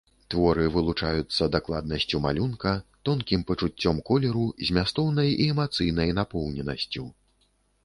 Творы вылучаюцца дакладнасцю малюнка, тонкім пачуццём колеру, змястоўнай і эмацыйнай напоўненасцю.